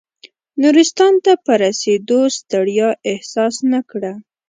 نورستان ته په رسېدو ستړیا احساس نه کړه.